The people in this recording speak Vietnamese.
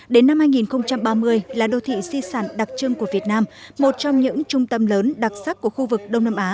đến năm hai nghìn ba mươi là đô thị si sản đặc trưng của việt nam một trong những trung tâm lớn đặc sắc của khu vực đông nam á